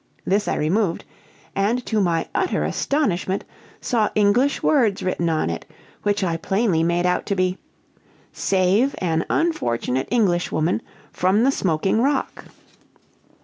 This I removed, and, to my utter astonishment, saw English words written on it, which I plainly made out to be: 'Save an unfortunate Englishwoman from the smoking rock!'